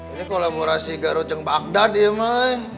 ini kolaborasi gak rujeng bagdad ya emang